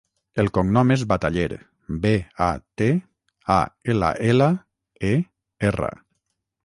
El cognom és Bataller: be, a, te, a, ela, ela, e, erra.